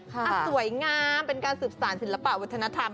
สวยงามเป็นการศึกษาธิ์ศิลปะวัฒนธรรม